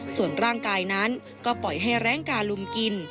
ส่วนร่างกายนั้นก็ปล่อยให้แรงกาลุมกิน